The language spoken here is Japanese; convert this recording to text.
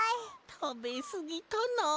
たべすぎたなあ。